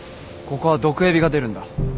ここは毒蛇が出るんだ。